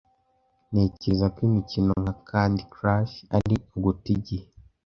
Ntekereza ko imikino nka Candy Crush ari uguta igihe.